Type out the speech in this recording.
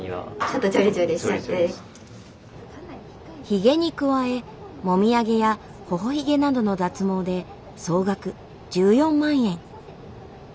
ヒゲに加えもみあげやほほヒゲなどの脱毛で総額１４万円。